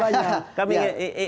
waktunya tidak banyak